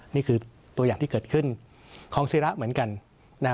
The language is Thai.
นี่คือตัวอย่างที่เกิดขึ้นของศิระเหมือนกันนะฮะ